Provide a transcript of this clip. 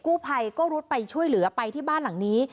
กู้ภัยก็รุดไปช่วยเหลือไปที่บ้านหลังนี้